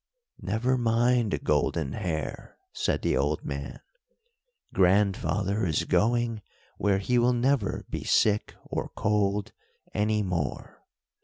"Never mind, Golden Hair," said the old man, "grandfather is going where he will never be sick or cold any more.